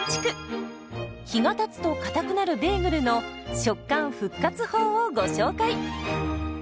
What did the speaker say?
日がたつとかたくなるベーグルの食感復活法をご紹介。